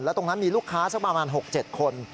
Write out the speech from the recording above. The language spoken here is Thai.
แล้วตรงนั้นมีลูกค้าประมาณ๖๗คน